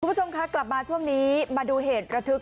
คุณผู้ชมคะกลับมาช่วงนี้มาดูเหตุระทึก